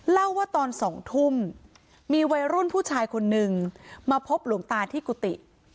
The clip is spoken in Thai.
เล่าว่าตอน๒ทุ่มมีวัยรุ่นผู้ชายคนนึงมาพบหลวงตาที่กุฏิ